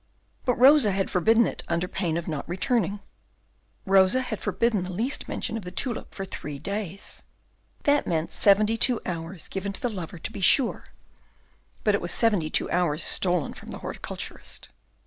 But Rosa had forbidden it under pain of not returning; Rosa had forbidden the least mention of the tulip for three days. That meant seventy two hours given to the lover to be sure; but it was seventy two hours stolen from the horticulturist.